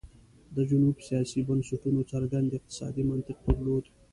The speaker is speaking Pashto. د جنوب سیاسي بنسټونو څرګند اقتصادي منطق درلود.